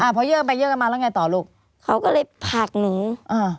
อ่าเพราะเยื่อกันไปเยื่อกันมาแล้วไงต่อลูกเขาก็เลยผากหนูอ่า